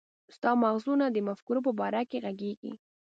ستر مغزونه د مفکورو په باره کې ږغيږي.